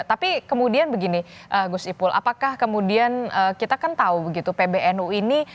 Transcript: tapi kemudian begini gus ipul apakah kemudian kita kan tahu begitu pbnu ini